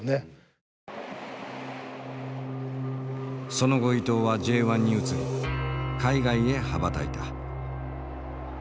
その後伊東はＪ１に移り海外へ羽ばたいた。